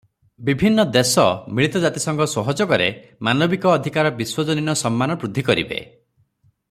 ବିଭିନ୍ନ ଦେଶ ମିଳିତ ଜାତିସଂଘ ସହଯୋଗରେ ମାନବିକ ଅଧିକାର ବିଶ୍ୱଜନୀନ ସମ୍ମାନ ବୃଦ୍ଧିକରିବେ ।